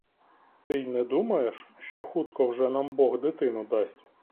Ти й не думаєш, що хутко вже нам бог дитину дасть.